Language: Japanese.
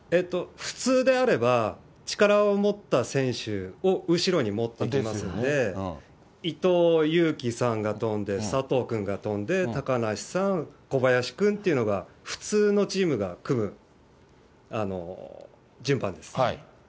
普通であれば、力を持った選手を後ろに持っていきますので、伊藤有希さんが飛んで、佐藤君が飛んで、高梨さん、小林君というのが普通のチームが組む順番です。